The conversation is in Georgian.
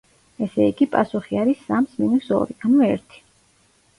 ესე იგი, პასუხი არის სამს მინუს ორი, ანუ ერთი.